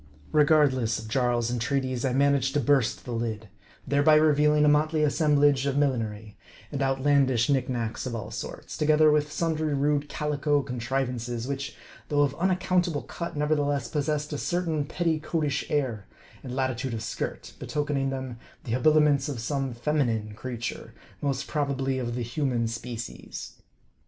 Regardless of Jarl's entreaties, I managed to burst the lid ; thereby revealing a motley assemblage of millinery, and outlandish knick knacks of all sorts ; together with sundry rude calico contrivances, which though of unac countable cut, nevertheless possessed a certain petticoatish air, and latitude of skirt, betokening them the habiliments of some feminine creature ; most probably of the human species.